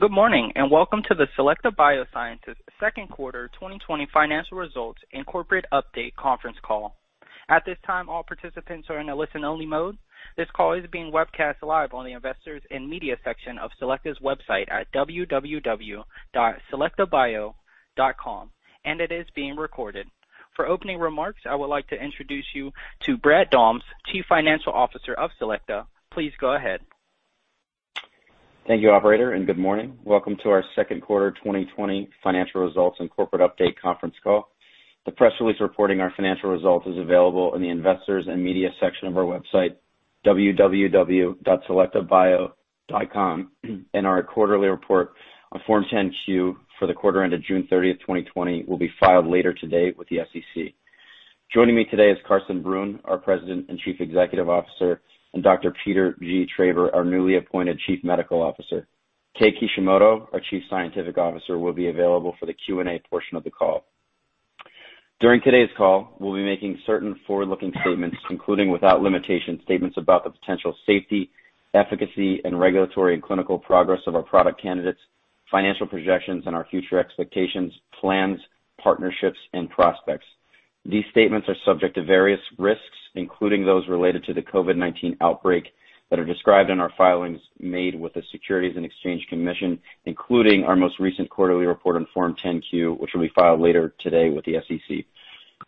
Good morning, and welcome to the Selecta Biosciences second quarter 2020 financial results and corporate update conference call. At this time, all participants are in a listen-only mode. This call is being webcast live on the Investors and Media section of Selecta's website at www.selectabio.com, and it is being recorded. For opening remarks, I would like to introduce you to Brad Dahms, chief financial officer of Selecta. Please go ahead. Thank you, operator. Good morning. Welcome to our second quarter 2020 financial results and corporate update conference call. The press release reporting our financial results is available in the Investors and Media section of our website, www.selectabio.com, and our quarterly report on Form 10-Q for the quarter ended June 30th, 2020, will be filed later today with the SEC. Joining me today is Carsten Brunn, our President and Chief Executive Officer, and Dr. Peter G. Traber, our newly appointed Chief Medical Officer. Kei Kishimoto, our Chief Scientific Officer, will be available for the Q&A portion of the call. During today's call, we'll be making certain forward-looking statements, including, without limitation, statements about the potential safety, efficacy, and regulatory and clinical progress of our product candidates, financial projections, and our future expectations, plans, partnerships, and prospects. These statements are subject to various risks, including those related to the COVID-19 outbreak that are described in our filings made with the Securities and Exchange Commission, including our most recent quarterly report on Form 10-Q, which will be filed later today with the SEC.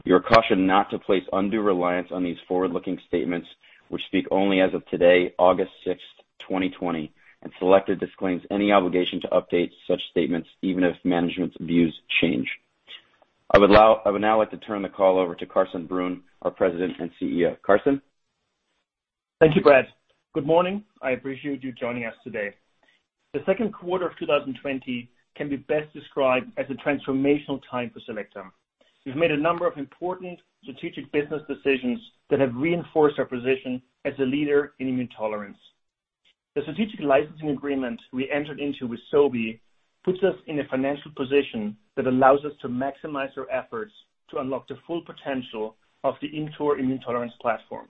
You are cautioned not to place undue reliance on these forward-looking statements, which speak only as of today, August 6th, 2020, and Selecta disclaims any obligation to update such statements even if management's views change. I would now like to turn the call over to Carsten Brunn, our President and Chief Executive Officer. Carsten? Thank you, Brad. Good morning. I appreciate you joining us today. The second quarter of 2020 can be best described as a transformational time for Selecta. We've made a number of important strategic business decisions that have reinforced our position as a leader in immune tolerance. The strategic licensing agreement we entered into with Sobi puts us in a financial position that allows us to maximize our efforts to unlock the full potential of the ImmTOR immune tolerance platform.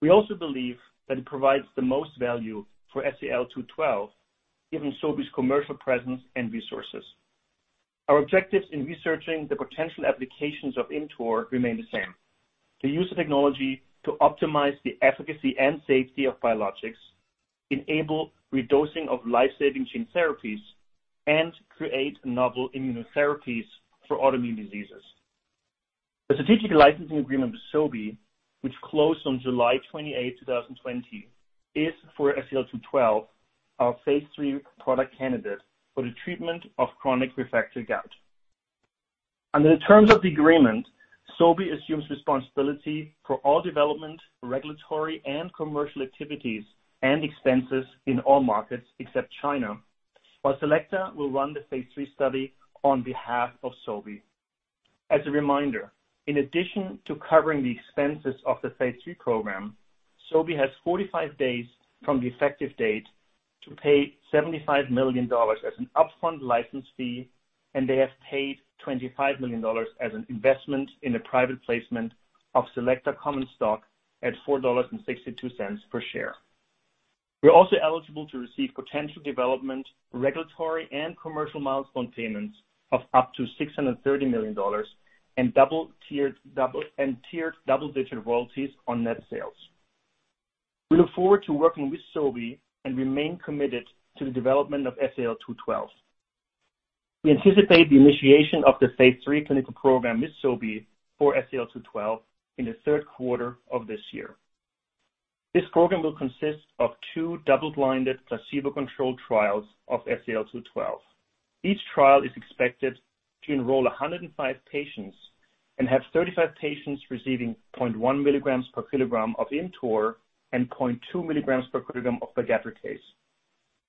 We also believe that it provides the most value for SEL-212, given Sobi's commercial presence and resources. Our objectives in researching the potential applications of ImmTOR remain the same, to use the technology to optimize the efficacy and safety of biologics, enable redosing of life-saving gene therapies, and create novel immunotherapies for autoimmune diseases. The strategic licensing agreement with Sobi, which closed on July 28th, 2020, is for SEL-212, our phase III product candidate for the treatment of chronic refractory gout. Under the terms of the agreement, Sobi assumes responsibility for all development, regulatory, and commercial activities and expenses in all markets except China, while Selecta will run the phase III study on behalf of Sobi. As a reminder, in addition to covering the expenses of the phase III program, Sobi has 45 days from the effective date to pay $75 million as an upfront license fee. They have paid $25 million as an investment in the private placement of Selecta common stock at $4.62 per share. We're also eligible to receive potential development, regulatory, and commercial milestone payments of up to $630 million and tiered double-digit royalties on net sales. We look forward to working with Sobi and remain committed to the development of SEL-212. We anticipate the initiation of the phase III clinical program with Sobi for SEL-212 in the third quarter of this year. This program will consist of two double-blinded placebo-controlled trials of SEL-212. Each trial is expected to enroll 105 patients and have 35 patients receiving 0.1 mg/kg of ImmTOR and 0.2 mg/kg of pegloticase,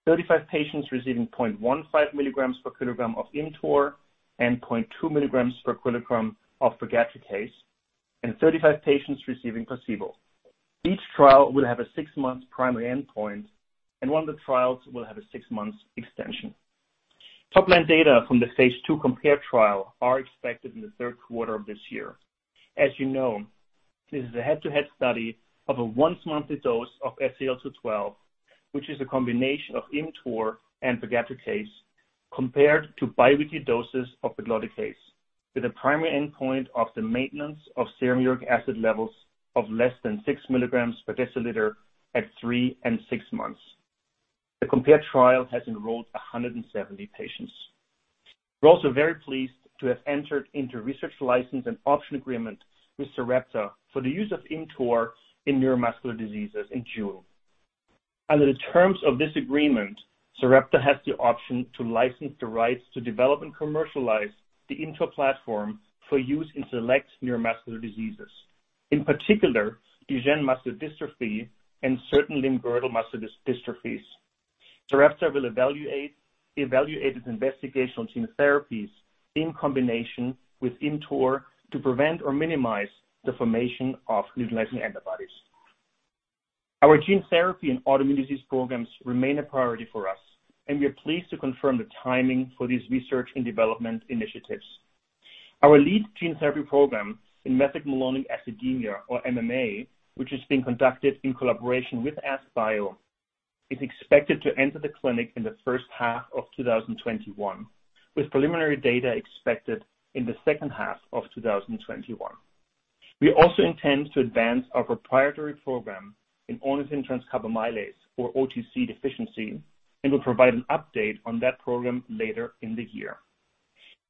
35 patients receiving 0.15 mg/kg of ImmTOR and 0.2 mg/kg of pegloticase, and 35 patients receiving placebo. Each trial will have a six-month primary endpoint, and one of the trials will have a six-month extension. Top-line data from the phase II CompARE trial are expected in the third quarter of this year. As you know, this is a head-to-head study of a once-monthly dose of SEL-212, which is a combination of ImmTOR and pegloticase, compared to biweekly doses of pegloticase, with a primary endpoint of the maintenance of serum uric acid levels of less than six mg/dL at three and six months. The CompARE trial has enrolled 170 patients. We're also very pleased to have entered into a research license and option agreement with Sarepta for the use of ImmTOR in neuromuscular diseases in June. Under the terms of this agreement, Sarepta has the option to license the rights to develop and commercialize the ImmTOR platform for use in select neuromuscular diseases, in particular, Duchenne muscular dystrophy and certain limb-girdle muscular dystrophies. Sarepta will evaluate its investigational gene therapies in combination with ImmTOR to prevent or minimize the formation of neutralizing antibodies. Our gene therapy and autoimmune disease programs remain a priority for us. We are pleased to confirm the timing for these research and development initiatives. Our lead gene therapy program in methylmalonic acidemia, or MMA, which is being conducted in collaboration with AskBio, is expected to enter the clinic in the first half of 2021, with preliminary data expected in the second half of 2021. We also intend to advance our proprietary program in ornithine transcarbamylase, or OTC deficiency, and will provide an update on that program later in the year.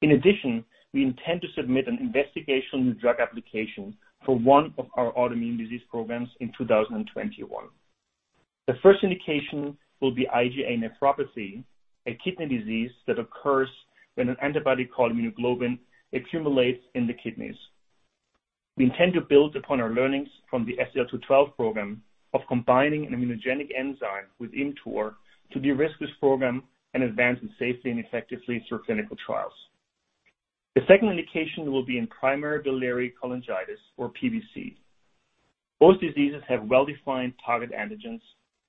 In addition, we intend to submit an investigational new drug application for one of our autoimmune disease programs in 2021. The first indication will be IgA nephropathy, a kidney disease that occurs when an antibody called immunoglobulin accumulates in the kidneys. We intend to build upon our learnings from the SEL-212 program of combining an immunogenic enzyme with ImmTOR to de-risk this program and advance it safely and effectively through clinical trials. The second indication will be in primary biliary cholangitis, or PBC. Both diseases have well-defined target antigens,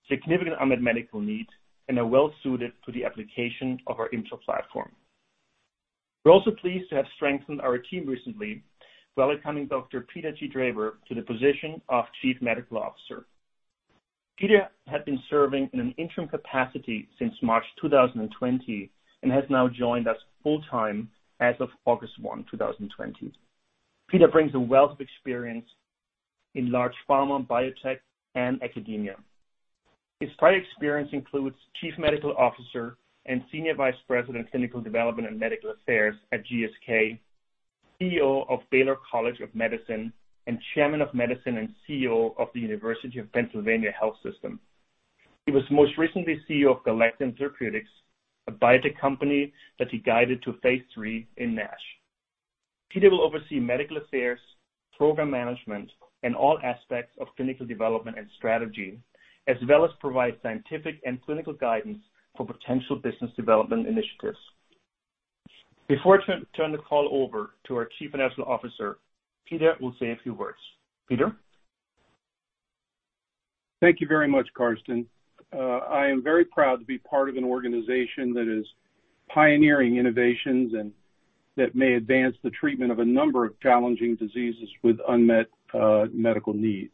significant unmet medical needs, and are well-suited to the application of our ImmTOR platform. We're also pleased to have strengthened our team recently by welcoming Dr. Peter G. Traber to the position of Chief Medical Officer. Peter had been serving in an interim capacity since March 2020 and has now joined us full time as of August 1st, 2020. Peter brings a wealth of experience in large pharma, biotech, and academia. His prior experience includes Chief Medical Officer and Senior Vice President, Clinical Development and Medical Affairs at GSK, CEO of Baylor College of Medicine, and Chairman of Medicine and CEO of the University of Pennsylvania Health System. He was most recently CEO of Galectin Therapeutics, a biotech company that he guided to phase III in NASH. Peter will oversee medical affairs, program management, and all aspects of clinical development and strategy, as well as provide scientific and clinical guidance for potential business development initiatives. Before I turn the call over to our Chief Financial Officer, Peter will say a few words. Peter? Thank you very much, Carsten. I am very proud to be part of an organization that is pioneering innovations and that may advance the treatment of a number of challenging diseases with unmet medical needs.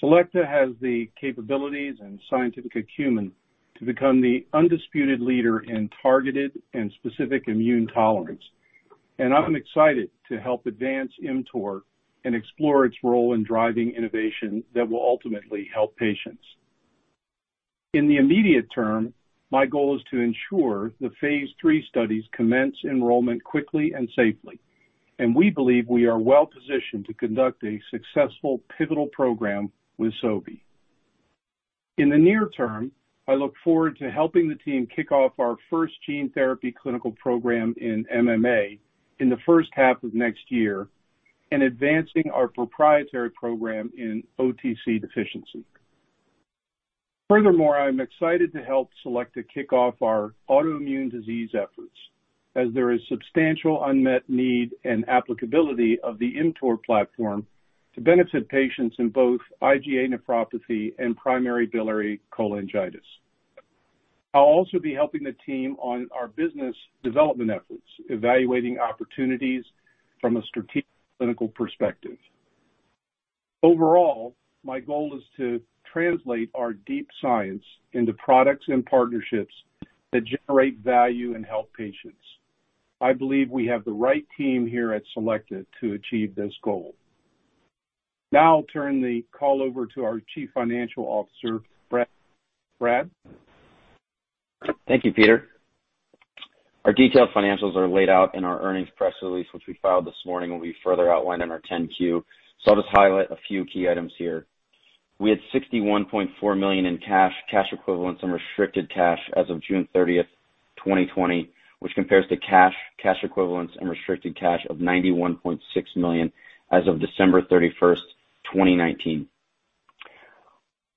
Cartesian Therapeutics has the capabilities and scientific acumen to become the undisputed leader in targeted and specific immune tolerance. I'm excited to help advance ImmTOR and explore its role in driving innovation that will ultimately help patients. In the immediate term, my goal is to ensure the phase III studies commence enrollment quickly and safely, and we believe we are well positioned to conduct a successful pivotal program with Sobi. In the near term, I look forward to helping the team kick off our first gene therapy clinical program in MMA in the first half of next year and advancing our proprietary program in OTC deficiency. Furthermore, I'm excited to help Cartesian Therapeutics kick off our autoimmune disease efforts, as there is substantial unmet need and applicability of the ImmTOR platform to benefit patients in both IgA nephropathy and primary biliary cholangitis. I'll also be helping the team on our business development efforts, evaluating opportunities from a strategic clinical perspective. Overall, my goal is to translate our deep science into products and partnerships that generate value and help patients. I believe we have the right team here at Cartesian Therapeutics to achieve this goal. Now I'll turn the call over to our Chief Financial Officer, Brad. Brad? Thank you, Peter. Our detailed financials are laid out in our earnings press release, which we filed this morning, and will be further outlined in our 10-Q. I'll just highlight a few key items here. We had $61.4 million in cash equivalents, and restricted cash as of June 30th, 2020, which compares to cash equivalents, and restricted cash of $91.6 million as of December 31st, 2019.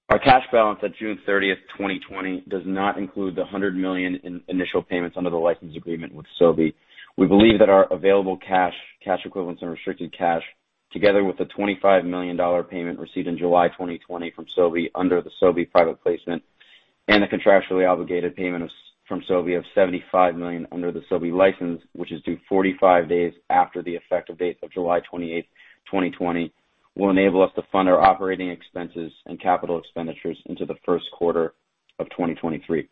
Our cash balance at June 30th, 2020, does not include the $100 million in initial payments under the license agreement with Sobi. We believe that our available cash equivalents, and restricted cash, together with the $25 million payment received in July 2020 from Sobi under the Sobi private placement, and the contractually obligated payment from Sobi of $75 million under the Sobi license, which is due 45 days after the effective date of July 28th, 2020, will enable us to fund our operating expenses and capital expenditures into the first quarter of 2023.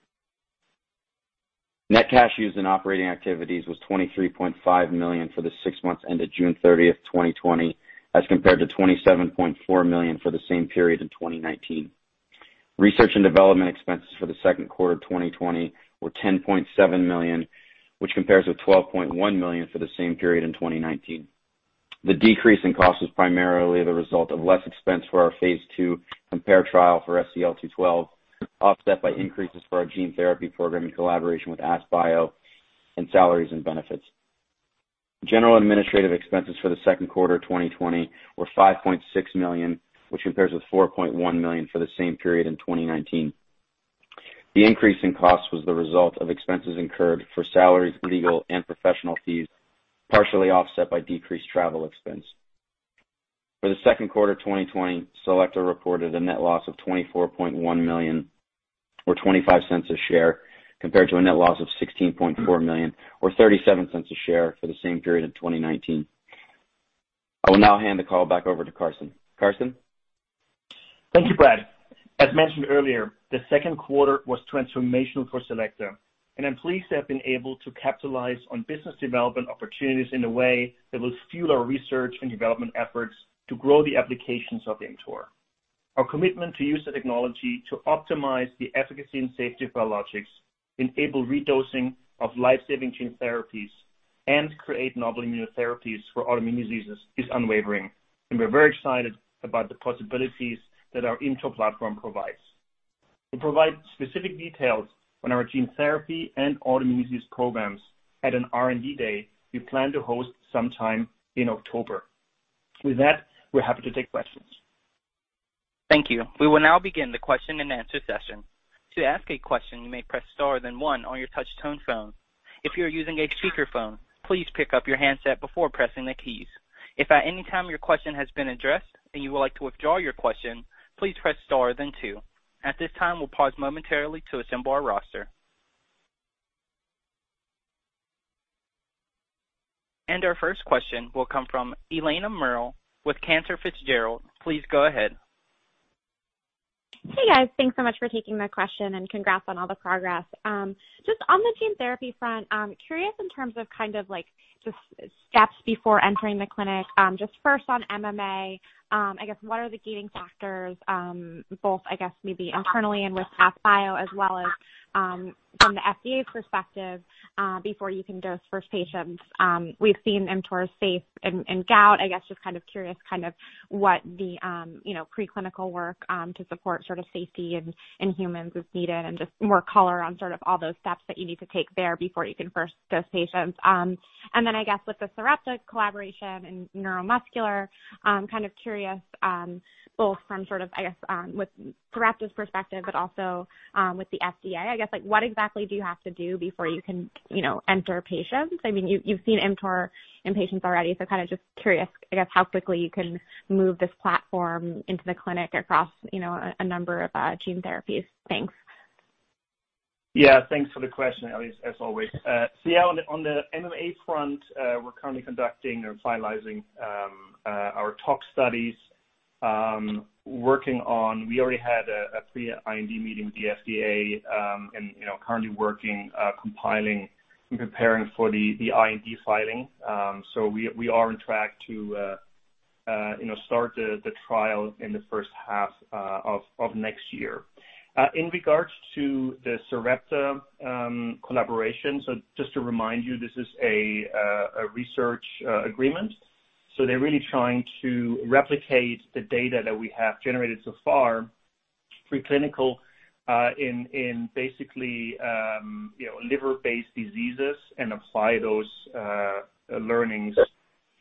Net cash used in operating activities was $23.5 million for the six months ended June 30th, 2020, as compared to $27.4 million for the same period in 2019. Research and development expenses for the second quarter 2020 were $10.7 million, which compares with $12.1 million for the same period in 2019. The decrease in cost is primarily the result of less expense for our phase II CompARE trial for SEL-212, offset by increases for our gene therapy program in collaboration with AskBio, and salaries and benefits. General administrative expenses for the second quarter 2020 were $5.6 million, which compares with $4.1 million for the same period in 2019. The increase in cost was the result of expenses incurred for salaries, legal, and professional fees, partially offset by decreased travel expense. For the second quarter 2020, Selecta reported a net loss of $24.1 million, or $0.25 a share, compared to a net loss of $16.4 million, or $0.37 a share for the same period in 2019. I will now hand the call back over to Carsten. Carsten? Thank you, Brad. As mentioned earlier, the second quarter was transformational for Selecta, I'm pleased to have been able to capitalize on business development opportunities in a way that will fuel our research and development efforts to grow the applications of ImmTOR. Our commitment to use the technology to optimize the efficacy and safety of biologics, enable redosing of life-saving gene therapies, create novel immunotherapies for autoimmune diseases is unwavering, we're very excited about the possibilities that our ImmTOR platform provides. We'll provide specific details on our gene therapy and autoimmune disease programs at an R&D day we plan to host sometime in October. With that, we're happy to take questions. Thank you. We will now begin the question and answer session. To ask a question, you may press star then one on your touchtone phone. If you are using a speakerphone, please pick up your handset before pressing the keys. If at any time your question has been addressed and you would like to withdraw your question, please press star then two. At this time, we'll pause momentarily to assemble our roster. Our first question will come from Eliana Merle with Cantor Fitzgerald. Please go ahead. Hey, guys. Thanks so much for taking the question and congrats on all the progress. Just on the gene therapy front, curious in terms of just steps before entering the clinic, just first on MMA, I guess what are the gating factors, both, I guess, maybe internally and with Path Bio as well as from the FDA's perspective, before you can dose first patients? We've seen ImmTOR's safe in gout. I guess just kind of curious what the preclinical work to support sort of safety in humans is needed, and just more color on sort of all those steps that you need to take there before you can first dose patients. I guess with the Sarepta collaboration and neuromuscular, I'm kind of curious both from sort of, I guess, with Sarepta's perspective, but also, with the FDA, I guess, what exactly do you have to do before you can enter patients? You've seen ImmTOR in patients already, kind of just curious, I guess, how quickly you can move this platform into the clinic across a number of gene therapies. Thanks. Thanks for the question, Elise, as always. On the MMA front, we're currently conducting or finalizing our tox studies. We already had a pre-IND meeting with the FDA, currently working, compiling, and preparing for the IND filing. We are on track to start the trial in the first half of next year. In regard to the Sarepta collaboration, just to remind you, this is a research agreement. They're really trying to replicate the data that we have generated so far, preclinical, in basically liver-based diseases and apply those learnings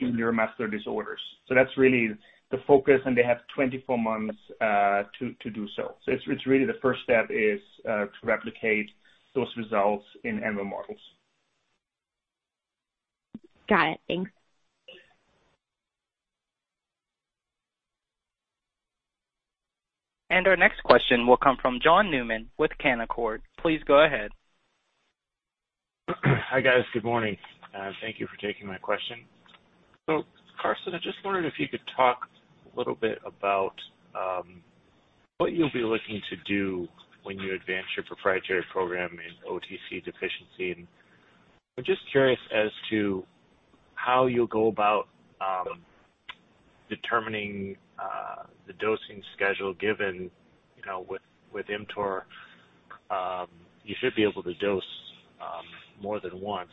in neuromuscular disorders. That's really the focus. They have 24 months to do so. It's really the first step is to replicate those results in animal models. Got it. Thanks. Our next question will come from John Newman with Canaccord. Please go ahead. Hi, guys. Good morning. Thank you for taking my question. Carsten, I just wondered if you could talk a little bit about what you'll be looking to do when you advance your proprietary program in OTC deficiency. I'm just curious as to how you'll go about determining the dosing schedule given with ImmTOR, you should be able to dose more than once.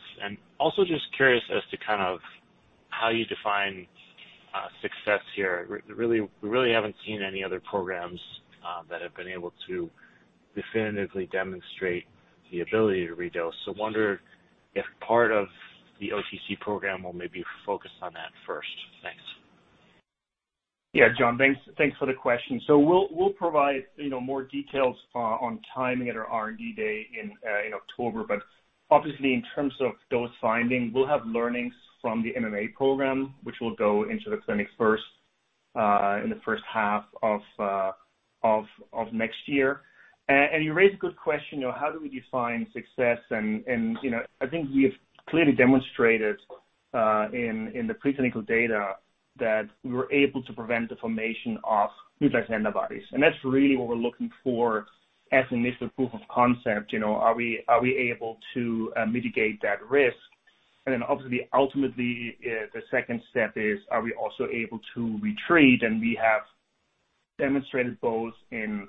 Also, just curious as to kind of how you define success here. We really haven't seen any other programs that have been able to definitively demonstrate the ability to re-dose. Wonder if part of the OTC program will maybe focus on that first. Thanks. Yeah, John, thanks for the question. We'll provide more details on timing at our R&D day in October, but obviously in terms of dose finding, we'll have learnings from the MMA program, which will go into the clinic first in the first half of next year. You raise a good question, how do we define success and I think we have clearly demonstrated in the preclinical data that we were able to prevent the formation of neutralizing antibodies, and that's really what we're looking for as initial proof of concept. Are we able to mitigate that risk? Then obviously, ultimately, the second step is, are we also able to retreat? We have demonstrated both in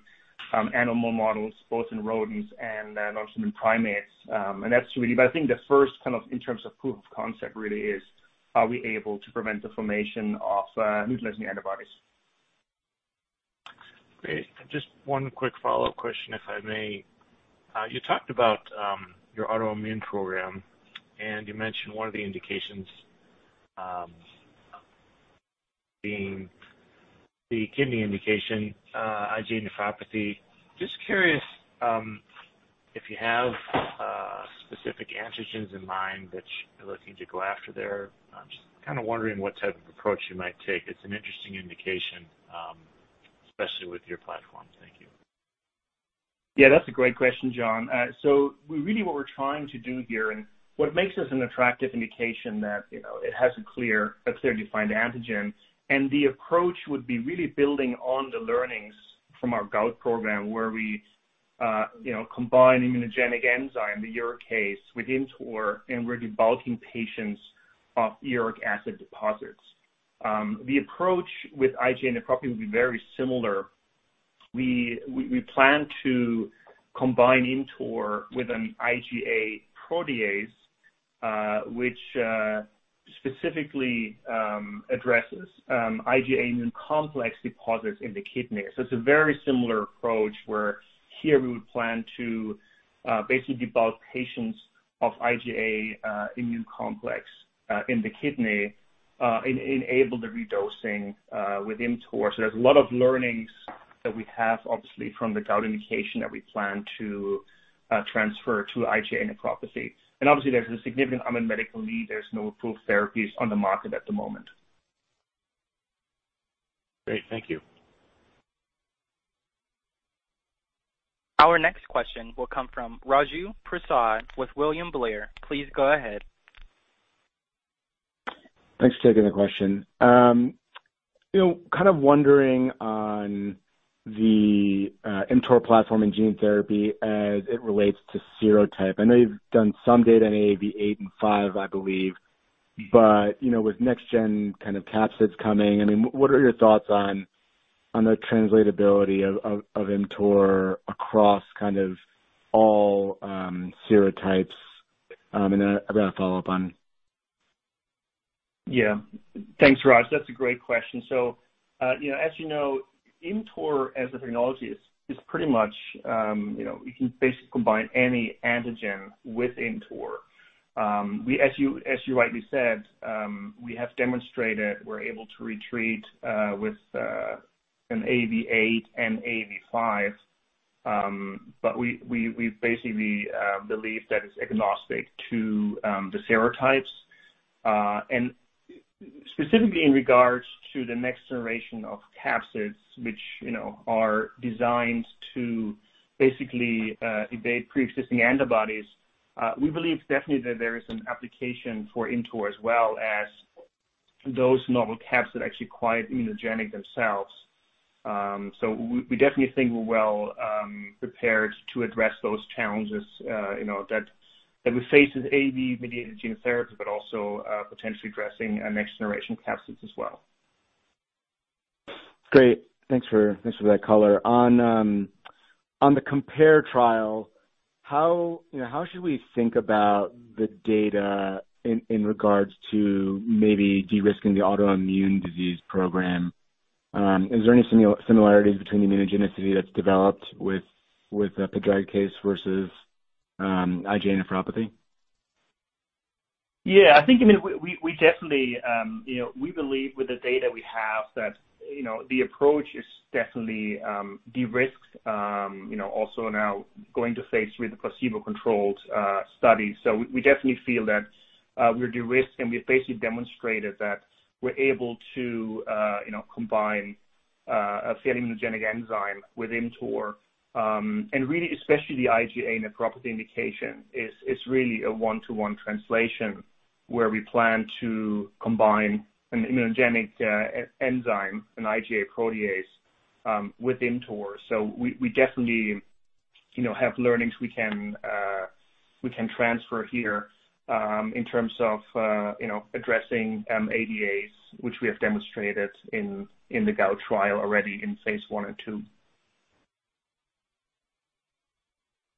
animal models, both in rodents and also in primates. I think the first kind of, in terms of proof of concept really is, are we able to prevent the formation of neutralizing antibodies? Great. Just one quick follow-up question, if I may. You talked about your autoimmune program, and you mentioned one of the indications being the kidney indication, IgA nephropathy. Just curious if you have specific antigens in mind that you're looking to go after there. I'm just wondering what type of approach you might take. It's an interesting indication, especially with your platform. Thank you. Yeah, that's a great question, John. Really what we're trying to do here and what makes this an attractive indication that, it has a clearly defined antigen, and the approach would be really building on the learnings from our gout program, where we combine immunogenic enzyme, the uricase, with ImmTOR, and we're debulking patients of uric acid deposits. The approach with IgA nephropathy would be very similar. We plan to combine ImmTOR with an IgA protease, which specifically addresses IgA immune complex deposits in the kidney. It's a very similar approach, where here we would plan to basically debulk patients of IgA immune complex in the kidney and enable the redosing with ImmTOR. There's a lot of learnings that we have, obviously, from the gout indication that we plan to transfer to IgA nephropathy. Obviously, there's a significant unmet medical need. There are no approved therapies on the market at the moment. Great. Thank you. Our next question will come from Raju Prasad with William Blair. Please go ahead. Thanks for taking the question. Kind of wondering on the ImmTOR platform and gene therapy as it relates to serotype. I know you've done some data on AAV eight and five, I believe. With next-gen kind of capsids coming, what are your thoughts on the translatability of ImmTOR across all serotypes? I've got a follow-up on. Yeah. Thanks, Raju. That's a great question. As you know, ImmTOR as a technology is pretty much, you can basically combine any antigen with ImmTOR. As you rightly said, we have demonstrated we're able to re-treat with an AAV 8 and AAV 5. We basically believe that it's agnostic to the serotypes. Specifically in regards to the next generation of capsids, which are designed to basically evade preexisting antibodies, we believe definitely that there is an application for ImmTOR as well as those novel capsids that are actually quite immunogenic themselves. We definitely think we're well prepared to address those challenges that we face with AAV-mediated gene therapy, but also potentially addressing next-generation capsids as well. Great. Thanks for that color. On the CompARE trial, how should we think about the data in regard to maybe de-risking the autoimmune disease program? Is there any similarities between the immunogenicity that's developed with the pegloticase versus IgA nephropathy? Yeah, I think we believe with the data we have that the approach is definitely de-risked, also now going to phase III with a placebo-controlled study. We definitely feel that we're de-risked, and we've basically demonstrated that we're able to combine a fairly immunogenic enzyme with ImmTOR. Really, especially the IgA nephropathy indication is really a one-to-one translation where we plan to combine an immunogenic enzyme, an IgA protease, with ImmTOR. We definitely have learnings we can transfer here in terms of addressing ADAs, which we have demonstrated in the gout trial already in phase I and II.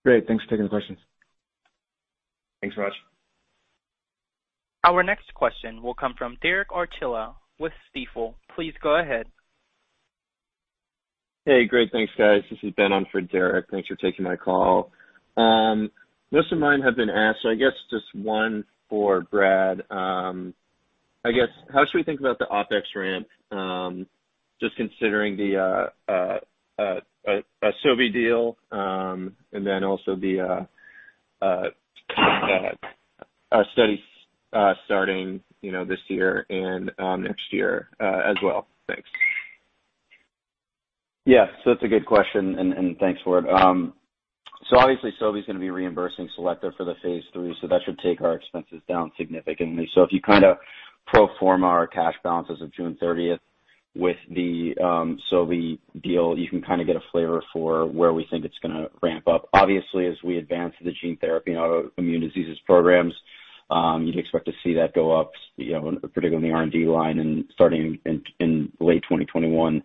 Great. Thanks for taking the question. Thanks, Raju. Our next question will come from Derek Archila with Stifel. Please go ahead. Hey, great. Thanks, guys. This is Ben on for Derek. Thanks for taking my call. Most of mine have been asked, so I guess just one for Brad. I guess, how should we think about the OpEx ramp, just considering the Sobi deal and then also the studies starting this year and next year as well? Thanks. It's a good question, and thanks for it. Obviously, Sobi's going to be reimbursing Selecta for the phase III, so that should take our expenses down significantly. If you pro forma our cash balances of June 30th with the Sobi deal, you can get a flavor for where we think it's going to ramp up. Obviously, as we advance the gene therapy and autoimmune diseases programs, you'd expect to see that go up, particularly in the R&D line and starting in late 2021,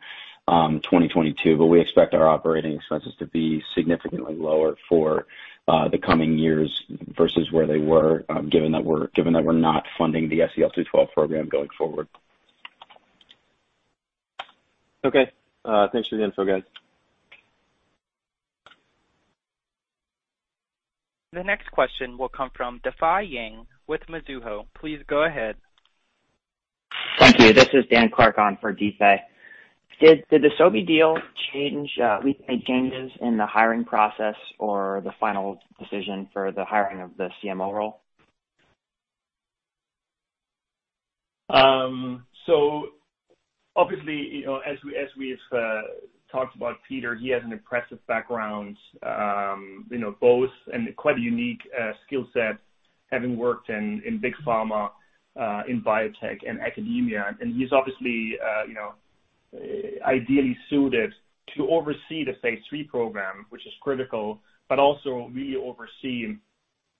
2022. We expect our operating expenses to be significantly lower for the coming years versus where they were, given that we're not funding the SEL-212 program going forward. Okay. Thanks for the info, guys. The next question will come from Defei Ying with Mizuho. Please go ahead. Thank you. This is Dan Clark on for Defei. Did the Sobi deal make changes in the hiring process or the final decision for the hiring of the CMO role? Obviously, as we've talked about Peter, he has an impressive background, both and quite a unique skill set having worked in big pharma, in biotech and academia. He's obviously ideally suited to oversee the phase III program, which is critical, but also really oversee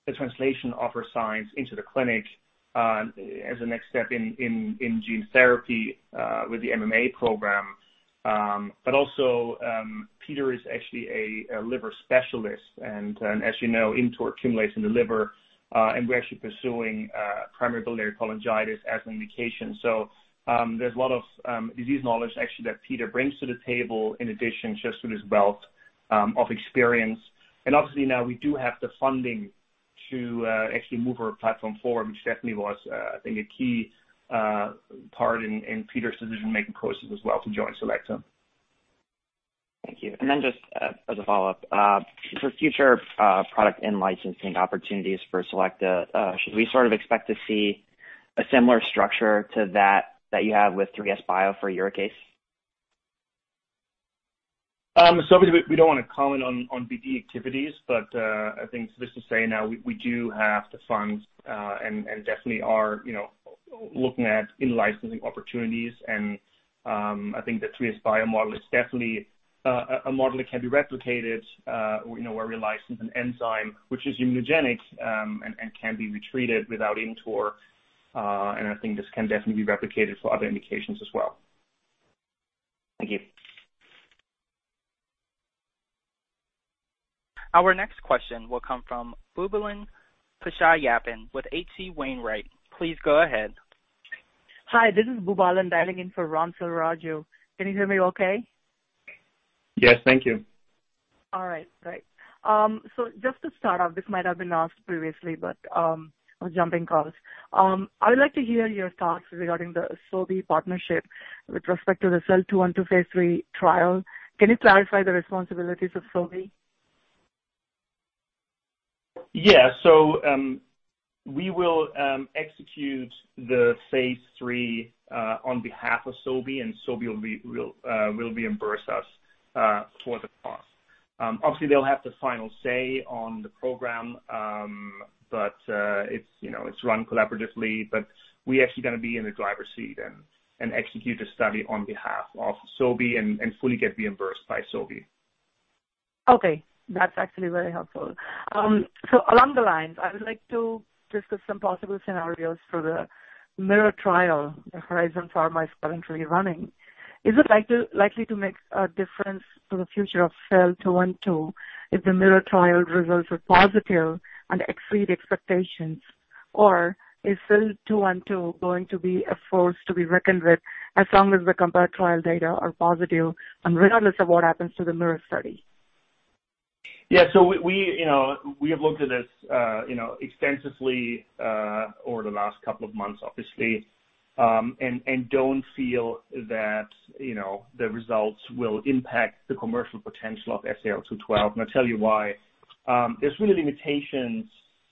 the translation of our science into the clinic as the next step in gene therapy with the MMA program. Also, Peter is actually a liver specialist and, as you know, ImmTOR accumulates in the liver. We're actually pursuing primary biliary cholangitis as an indication. There's a lot of disease knowledge actually, that Peter brings to the table in addition just to his wealth of experience. Obviously now we do have the funding to actually move our platform forward, which definitely was, I think, a key part in Peter's decision-making process as well to join Selecta. Thank you. Just as a follow-up, for future product in-licensing opportunities for Selecta, should we sort of expect to see a similar structure to that that you have with 3SBio for your case? We don't want to comment on BD activities, but I think suffice to say now we do have the funds and definitely are looking at in-licensing opportunities. I think the 3SBio Inc. model is definitely a model that can be replicated, where we license an enzyme which is immunogenic, and can be retreated without ImmTOR. I think this can definitely be replicated for other indications as well. Thank you. Our next question will come from Boobalan Pachaiyappan with H.C. Wainwright. Please go ahead. Hi, this is Boobalan dialing in for Ram Selvaraju. Can you hear me okay? Yes. Thank you. All right. Great. Just to start off, this might have been asked previously, but I was jumping calls. I would like to hear your thoughts regarding the Sobi partnership with respect to the SEL-212 phase III trial. Can you clarify the responsibilities of Sobi? Yeah. We will execute the phase III, on behalf of Sobi, and Sobi will reimburse us for the cost. Obviously, they'll have the final say on the program. It's run collaboratively, but we actually are going to be in the driver's seat and execute the study on behalf of Sobi and fully get reimbursed by Sobi. Okay. That's actually very helpful. Along the lines, I would like to discuss some possible scenarios for the MIRROR trial that Horizon Therapeutics is currently running. Is it likely to make a difference to the future of SEL-212 if the MIRROR trial results are positive and exceed expectations? Is SEL-212 going to be a force to be reckoned with as long as the CompARE trial data are positive and regardless of what happens to the MIRROR study? We have looked at this extensively over the last couple of months, obviously. Don't feel that the results will impact the commercial potential of SEL-212, and I'll tell you why. There are really limitations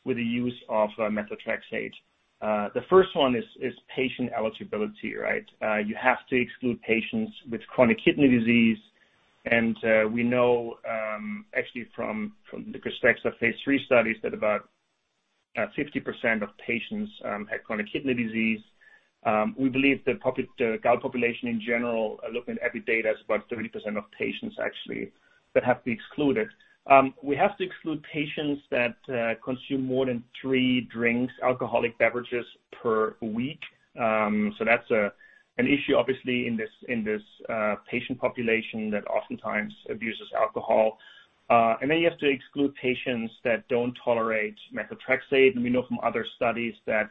with the use of methotrexate. The first one is patient eligibility, right? You have to exclude patients with chronic kidney disease. We know, actually from the KRYSTEXXA phase III studies that about 50% of patients had chronic kidney disease. We believe the public gout population in general, looking at every data, is about 30% of patients actually that have to be excluded. We have to exclude patients that consume more than three drinks, alcoholic beverages per week. That's an issue, obviously, in this patient population that oftentimes abuses alcohol. Then you have to exclude patients that don't tolerate methotrexate. We know from other studies that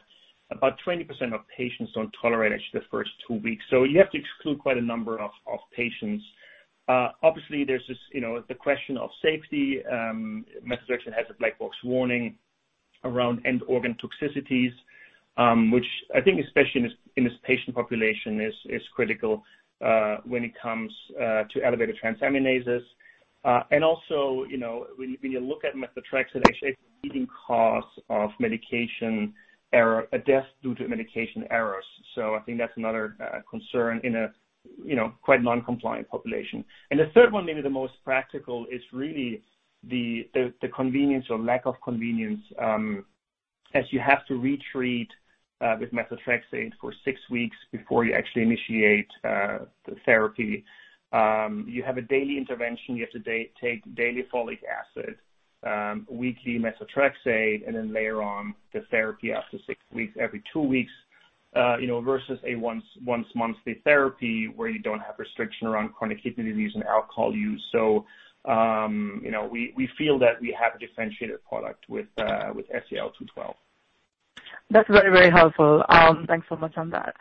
about 20% of patients don't tolerate it the first two weeks. You have to exclude quite a number of patients. Obviously, there's this question of safety. Methotrexate has a black box warning around end organ toxicities, which I think especially in this patient population, is critical when it comes to elevated transaminases. Also, when you look at methotrexate, actually a leading cause of death due to medication errors. I think that's another concern in a quite non-compliant population. The third one, maybe the most practical, is really the convenience or lack of convenience, as you have to retreat with methotrexate for six weeks before you actually initiate the therapy. You have a daily intervention. You have to take daily folic acid, weekly methotrexate, and then later on the therapy after six weeks, every two weeks, versus a once monthly therapy where you don't have restriction around chronic kidney disease and alcohol use. We feel that we have a differentiated product with SEL-212. That's very helpful. Thanks so much on that.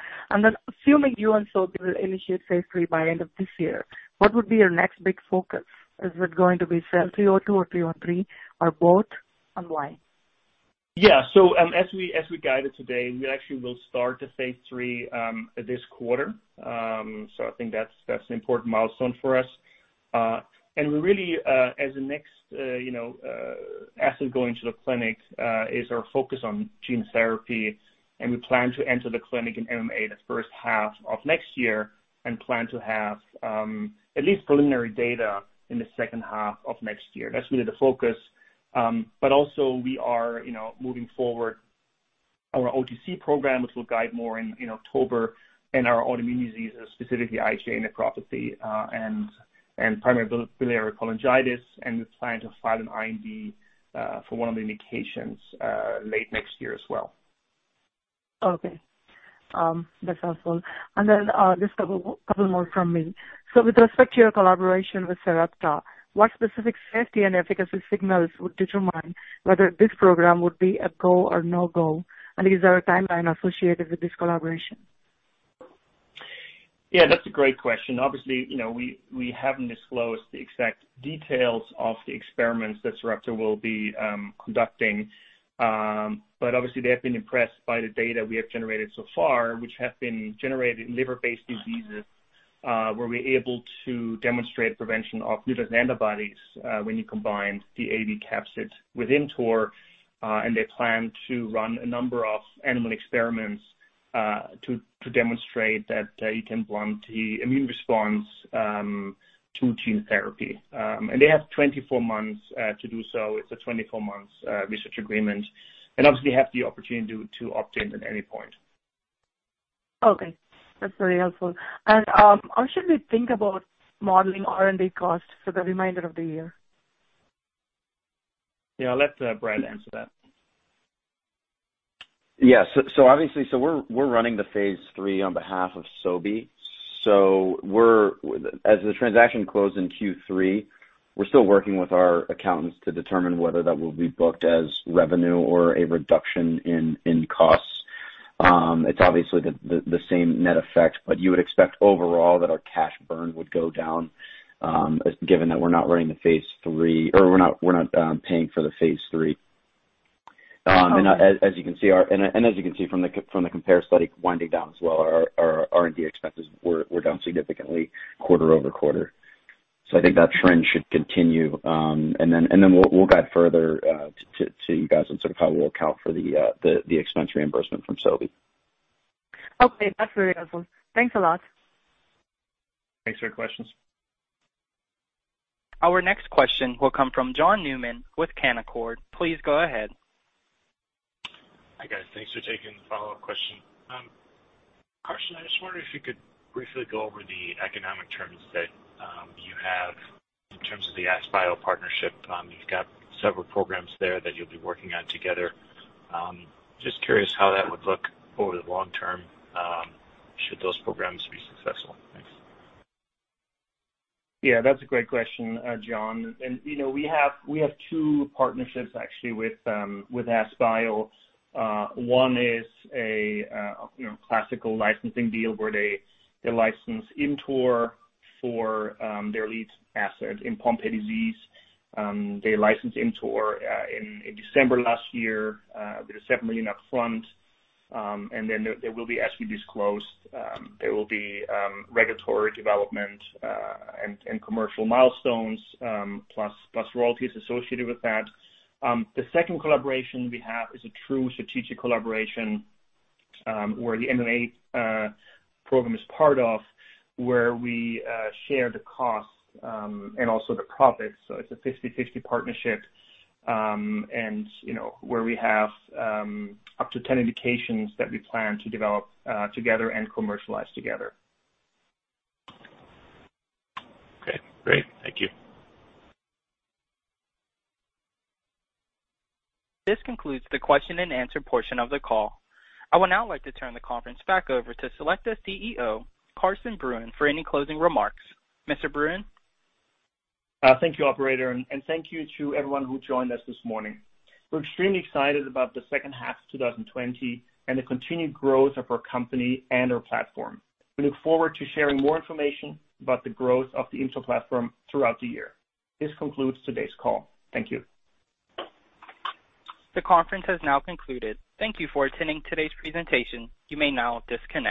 Assuming you and Sobi will initiate phase III by end of this year, what would be your next big focus? Is it going to be phase III-02 or phase III-03, or both, and why? Yeah. As we guided today, we actually will start the phase III this quarter. I think that's an important milestone for us. We really, as a next asset going to the clinic, is our focus on gene therapy, and we plan to enter the clinic in MMA the first half of next year and plan to have at least preliminary data in the second half of next year. That's really the focus. Also, we are moving forward our OTC program, which we'll guide more in October in our autoimmune diseases, specifically IgA nephropathy and primary biliary cholangitis, and we plan to file an IND for one of the indications late next year as well. Okay. That's helpful. Just a couple more from me. With respect to your collaboration with Sarepta, what specific safety and efficacy signals would determine whether this program would be a go or no-go? Is there a timeline associated with this collaboration? Yeah, that's a great question. Obviously, we haven't disclosed the exact details of the experiments that Sarepta will be conducting. Obviously they have been impressed by the data we have generated so far, which have been generated in liver-based diseases, where we're able to demonstrate prevention of neutralizing antibodies, when you combine the AAV capsid with ImmTOR, and they plan to run a number of animal experiments, to demonstrate that you can blunt the immune response to gene therapy. They have 24 months to do so. It's 24-month research agreement and obviously have the opportunity to opt in at any point. Okay. That's very helpful. How should we think about modeling R&D costs for the remainder of the year? Yeah, I'll let Brad answer that. Yeah. Obviously, we're running the phase III on behalf of Sobi. As the transaction closed in Q3, we're still working with our accountants to determine whether that will be booked as revenue or a reduction in costs. It's obviously the same net effect, but you would expect overall that our cash burn would go down, given that we're not running the phase III, or we're not paying for the phase III. As you can see from the CompARE winding down as well, our R&D expenses were down significantly quarter-over-quarter. I think that trend should continue. We'll guide further to you guys on how we'll account for the expense reimbursement from Sobi. Okay. That's very helpful. Thanks a lot. Thanks for your questions. Our next question will come from John Newman with Canaccord. Please go ahead. Hi, guys. Thanks for taking the follow-up question. Carsten, I just wonder if you could briefly go over the economic terms that you have in terms of the AskBio partnership. You've got several programs there that you'll be working on together. Just curious how that would look over the long term, should those programs be successful. Thanks. Yeah, that's a great question, John. We have two partnerships actually with AskBio. One is a classical licensing deal where they license ImmTOR for their lead asset in Pompe disease. They licensed ImmTOR in December last year. There's $7 million up front. Then there will be, as we disclosed, there will be regulatory development, and commercial milestones, plus royalties associated with that. The second collaboration we have is a true strategic collaboration, where the MMA program is part of, where we share the costs, and also the profits. It's a 50/50 partnership, and where we have up to 10 indications that we plan to develop together and commercialize together. Okay, great. Thank you. This concludes the question and answer portion of the call. I would now like to turn the conference back over to Selecta CEO, Carsten Brunn, for any closing remarks. Mr. Brunn? Thank you, operator, and thank you to everyone who joined us this morning. We're extremely excited about the second half of 2020 and the continued growth of our company and our platform. We look forward to sharing more information about the growth of the ImmTOR platform throughout the year. This concludes today's call. Thank you. The conference has now concluded. Thank you for attending today's presentation. You may now disconnect.